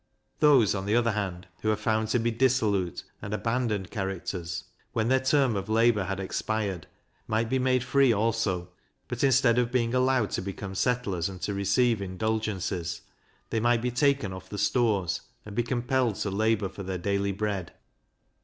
Those, on the other hand, who are found to be dissolute and abandoned characters when their term of labour had expired, might be made free also; but, instead of being allowed to become settlers and to receive indulgences, they might be taken off the stores, and be compelled to labour for their daily bread.